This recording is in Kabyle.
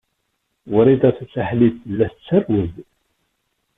Wrida Tasaḥlit tella tettarew-d.